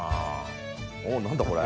お何だこれ？